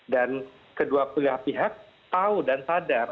dan kedua dua pihak tahu dan sadar